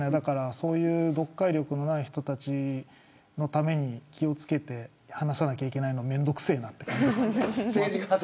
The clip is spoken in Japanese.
そういう読解力のない人たちのために気をつけて話さなきゃいけないのめんどくせーなって感じがしますね。